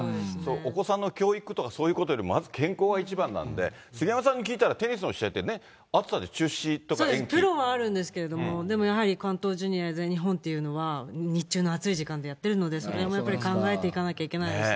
お子さんの教育とかそういうことよりもまず健康が一番なんで、杉山さんに聞いたら、テニスの試合ってね、プロはあるんですけど、でもやはり関東ジュニア、全日本というのは日中の暑い時間にやってるので、それもやっぱり考えていかなきゃいけないですね。